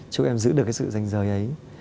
chúc em giữ được cái sự danh giới ấy